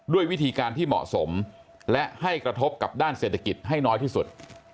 ด้วยวิธีการที่เหมาะสมและให้กระทบกับด้านเศรษฐกิจให้น้อยที่สุด